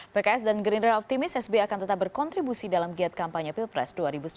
pks dan gerindra optimis sbi akan tetap berkontribusi dalam giat kampanye pilpres dua ribu sembilan belas